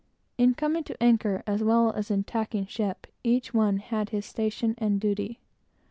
In coming to anchor, as well as in tacking, each one had his station and duty.